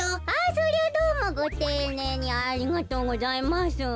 そりゃどうもごていねいにありがとうございます。